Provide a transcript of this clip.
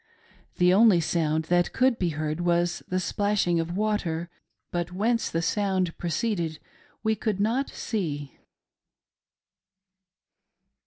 The only sound that could be heard was the splashing of water, but whence the sound proceeded we could not see.